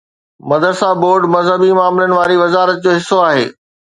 مدرسا بورڊ مذهبي معاملن واري وزارت جو حصو آهي.